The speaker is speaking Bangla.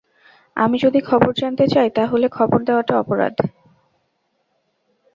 আমি যদি খবর জানতে চাই তা হলে খবর দেওয়াটা অপরাধ?